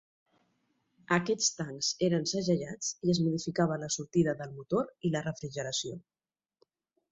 Aquests tancs eren segellats i es modificava la sortida del motor i la refrigeració.